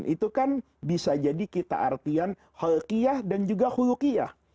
itu kan bisa jadi kita artikan hulukiah dan juga hulukiah